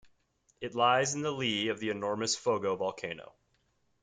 It lies in the lee of the enormous Fogo volcano.